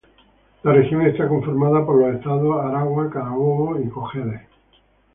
La región está conformada por los estados Aragua, Carabobo y Cojedes.